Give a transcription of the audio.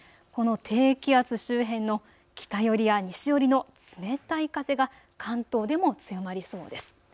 この低気圧周辺の北寄りや西寄りの冷たい風が関東でも強まりそうです。